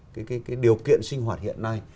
trong cái điều kiện sinh hoạt hiện nay